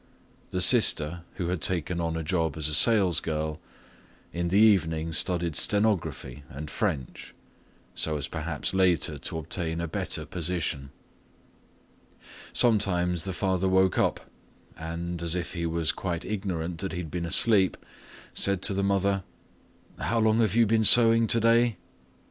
The sister, who had taken on a job as a salesgirl, in the evening studied stenography and French, so as perhaps later to obtain a better position. Sometimes the father woke up and, as if he was quite ignorant that he had been asleep, said to the mother "How long you have been sewing today?"